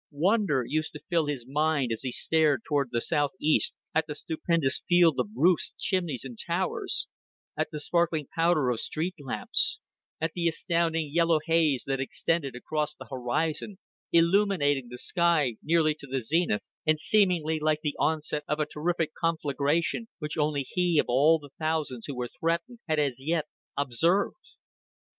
Wonder used to fill his mind as he stared out toward the southeast at the stupendous field of roofs, chimneys, and towers; at the sparkling powder of street lamps; at the astounding yellow haze that extended across the horizon, illuminating the sky nearly to the zenith, and seemingly like the onset of a terrific conflagration which only he of all the thousands who were threatened had as yet observed.